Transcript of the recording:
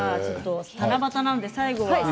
七夕なので最後は。